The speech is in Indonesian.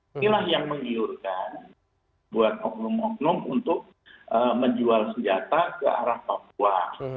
inilah yang menggiurkan buat oknum oknum untuk menjual senjata ke arah papua